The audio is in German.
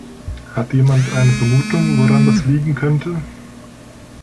Hat jemand eine Vermutung, woran das liegen könnte?